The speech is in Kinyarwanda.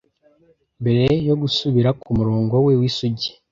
mbere yo gusubira kumurongo we w'isugi